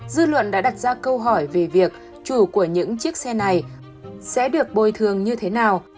dư luận đã đặt ra câu hỏi về việc chủ của những chiếc xe này sẽ được bồi thường như thế nào